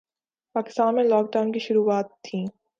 پاکستان میں lockdown کی شروعات تھیں